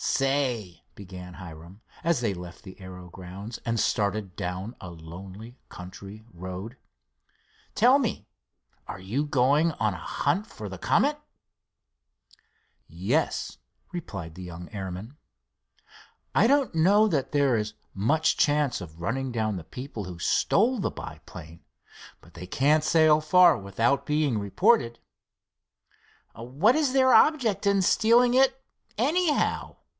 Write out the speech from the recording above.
"Say," began Hiram, as they left the aero grounds and started down a lonely country road; "tell me are you going on a hunt for the Comet?" "Yes," replied the young airman. "I don't know that there is much chance of running down the people who stole the biplane, but they can't sail far without being reported." "What is their object in stealing it, anyhow?"